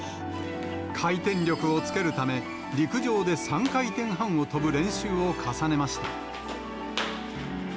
回転力をつけるため、陸上で３回転半を跳ぶ練習を重ねました。